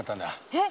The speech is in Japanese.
えっ！